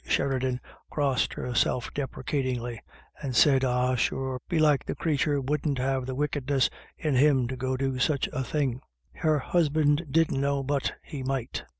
Sheridan crossed herself deprecatingly, and said : "Ah sure, belike the crathur wouldn't have the wickedness in him to go do such a thing." Her husband didn't know but he might.